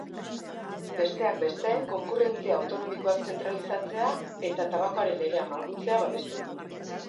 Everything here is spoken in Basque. Besteak beste, konkurrentzia autonomikoak zentralizatzea eta tabakoaren legea malgutzea babestu du.